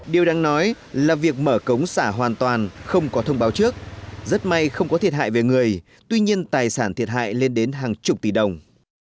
điều đáng nói là việc mở cống xả hoàn toàn không có thông báo trước rất may không có thiệt hại về người tuy nhiên tài sản thiệt hại lên đến hàng chục tỷ đồng